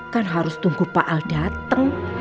kan harus tunggu paal dateng